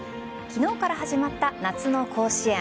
昨日から始まった夏の甲子園。